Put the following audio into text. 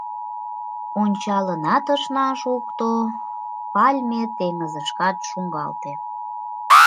Ончалынат ышна шукто, пальме теҥызышкат шуҥгалте.